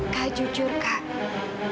kak jujur kak